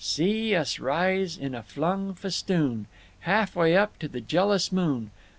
"See us rise in a flung festoon Half way up to the jealous moon.